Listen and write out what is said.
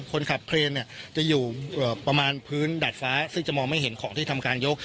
คนขับเครนจะอยู่ประมาณพื้นดาดฟ้าซึ่งจะมองไม่เห็นของที่ทำการยก